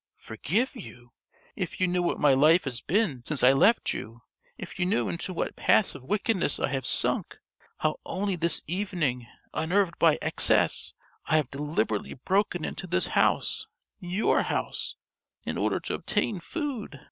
"Forgive you? If you knew what my life has been since I left you! If you knew into what paths of wickedness I have sunk! How only this evening, unnerved by excess, I have deliberately broken into this house your house in order to obtain food.